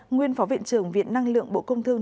nguyên phó viện trưởng viện năng lượng bộ công thương